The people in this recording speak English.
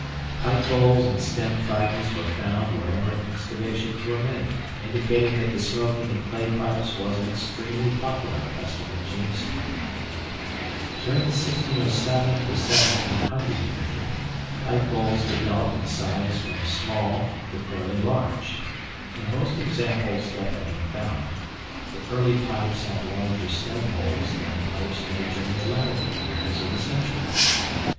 Pipe bowls and stem fragments were found wherever excavations were made, indicating that the smoking of clay pipes was an extremely popular custom at Jamestown. During the 1607 1700 period, pipe bowls developed in size from small to fairly large. In most examples that have been found, the early pipes have larger stem holes than pipes made during the latter years of the century.